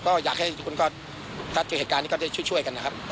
ก็อยากให้ทุกคนก็ถ้าเจอเหตุการณ์นี้ก็ได้ช่วยกันนะครับ